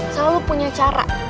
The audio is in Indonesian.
selalu punya cara